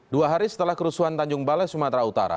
dua hari setelah kerusuhan tanjung balai sumatera utara